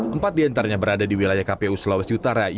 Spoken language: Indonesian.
empat diantaranya berada di wilayah kpu sulawesi utara